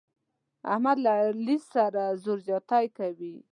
احمد له علي سره زور زیاتی کوي.